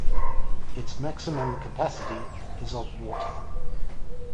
Its maximum capacity is of water.